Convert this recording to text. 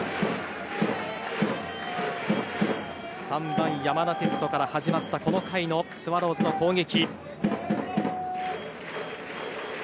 ３番、山田哲人から始まったこの回のスワローズの攻撃。